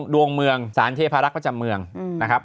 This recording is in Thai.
ดวงเมืองสารเทพารักษ์ประจำเมืองนะครับ